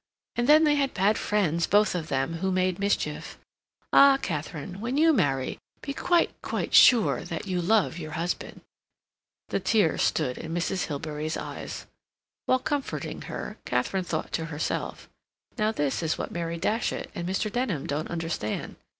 And then they had bad friends, both of them, who made mischief. Ah, Katharine, when you marry, be quite, quite sure that you love your husband!" The tears stood in Mrs. Hilbery's eyes. While comforting her, Katharine thought to herself, "Now this is what Mary Datchet and Mr. Denham don't understand.